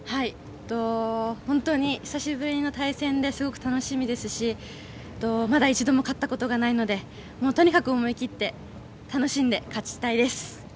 本当に久しぶりの対戦ですごく楽しみですしまだ一度も勝ったことがないのでとにかく思い切って楽しんで勝ちたいです。